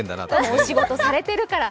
お仕事されてるから。